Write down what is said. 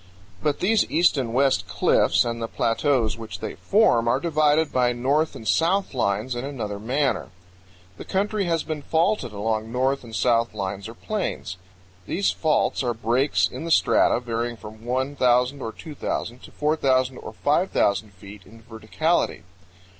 But these east and west cliffs and the plateaus which they form are divided by north and south lines in another manner. The country has been faulted along north and south lines or planes. These faults are breaks in the strata varying from 1,000 or 2,000 to 4,000 or 5,000 feet in verticality.